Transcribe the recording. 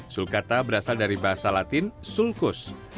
sulcata berasal dari bahasa latin sulcus